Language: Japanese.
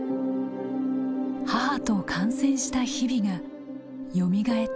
母と観戦した日々がよみがえった。